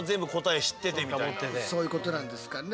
そういうことなんですかね。